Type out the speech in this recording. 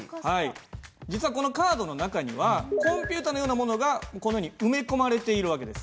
実はこのカードの中にはコンピュータのようなものがこのように埋め込まれている訳です。